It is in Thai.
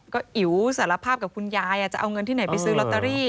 ก็อิ๋วสารภาพกับคุณยายจะเอาเงินที่ไหนไปซื้อลอตเตอรี่